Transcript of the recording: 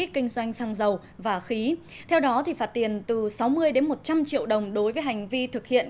kinh doanh xăng dầu và khí theo đó thì phạt tiền từ sáu mươi đến một trăm linh triệu đồng đối với hành vi thực hiện